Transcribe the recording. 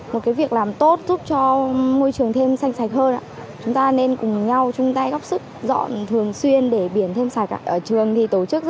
đối với các đồng chí